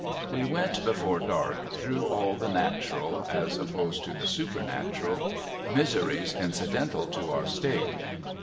We went, before dark, through all the natural — as opposed to supernatural — miseries incidental to our state.